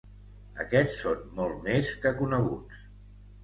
Aquests són molt més que coneguts.